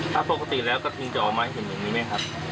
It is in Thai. ถ้าปกติแล้วกระทิงจะออกมาเห็นอย่างนี้ไหมครับ